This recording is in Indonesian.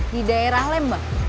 di daerah lembang